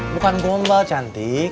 bukan gombal cantik